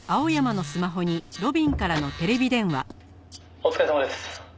「お疲れさまです」